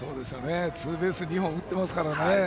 ツーベース２本打ってますからね。